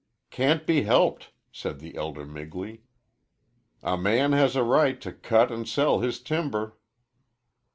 "Can't be helped," said the elder Migley. "A man has a right to cut and sell his timber."